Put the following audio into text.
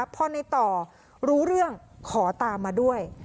พอในต่อรู้เรื่องขอตามมาด้วย